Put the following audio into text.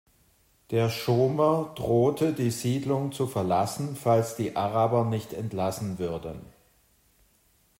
Der Schomer drohte, die Siedlung zu verlassen, falls die Araber nicht entlassen würden.